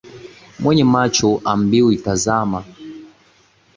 Mwenye macho haambiwi tazama